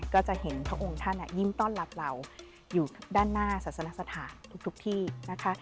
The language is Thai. ก็จะเห็นพระองค์ท่านยิ้มต้อนรับเราอยู่ด้านหน้าศาสนสถานทุกที่นะคะ